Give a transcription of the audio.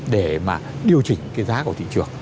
để mà điều chỉnh cái giá của thị trường